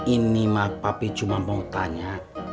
ini mah papi cuma mau tanya